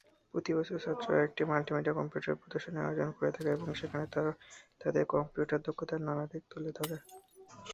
প্রতিবছর ছাত্ররা একটি মাল্টিমিডিয়া কম্পিউটার প্রদর্শনীর আয়োজন করে থাকে এবং সেখানে তারা তাদের কম্পিউটার দক্ষতার নানা দিক তুলে ধরে।